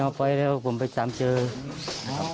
เราก็เลยส่องโปึกลงลงมาใช่ไหม